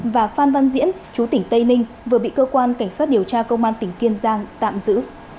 và phan văn diễn chú tỉnh tây ninh vừa bị cơ quan cảnh sát điều tra công an tỉnh kiên giang tạm giữ